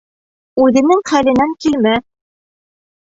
Үҙенең хәленән килмәҫ.